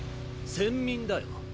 選民だよ。